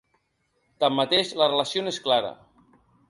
Tanmateix, la relació no és clara.